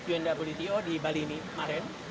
unwto di bali ini kemarin